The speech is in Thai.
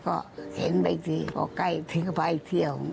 ขายหมดทุกวันไหมครับ